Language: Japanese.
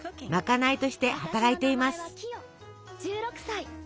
まかないとして働いています。